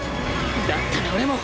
だったら俺も！